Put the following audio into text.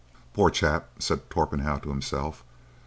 "Poor chap!" said Torpenhow to himself.